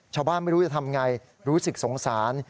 ชาวบ้านไม่รู้จะทำอย่างไรรู้สึกสงสาร